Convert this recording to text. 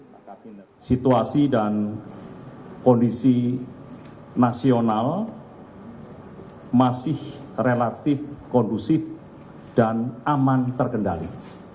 menko polhukam hadi cahyanto menyebut situasi dan kondisi nasional masih relatif kondusif dan aman terkendali